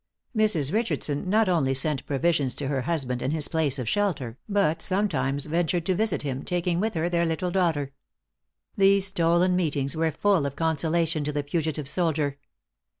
Mrs. Richardson not only sent provisions to her husband in his place of shelter, but sometimes ventured to visit him, taking with her their little daughter. These stolen meetings were full of consolation to the fugitive soldier.